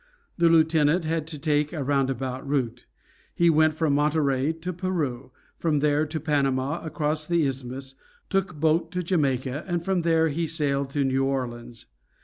The lieutenant had to take a roundabout route. He went from Monterey to Peru, from there to Panama, across the Isthmus, took boat to Jamaica, and from there he sailed to New Orleans.